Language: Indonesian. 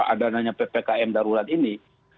adanya ppkm darurat ini